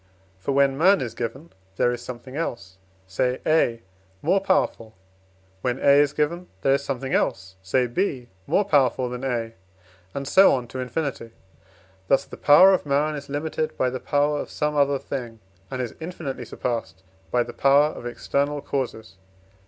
For, when man is given, there is something else say A more powerful; when A is given, there is something else say B more powerful than A, and so on to infinity; thus the power of man is limited by the power of some other thing, and is infinitely surpassed by the power of external causes.